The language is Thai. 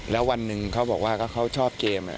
แล้ววันหนึ่งเขาบอกว่าเขาชอบเกม